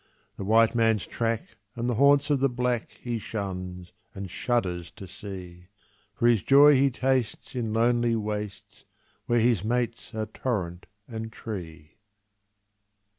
The white man's track and the haunts of the black He shuns, and shudders to see; For his joy he tastes in lonely wastes Where his mates are torrent and tree.